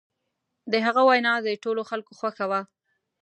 د هغه وینا د ټولو خلکو خوښه وه.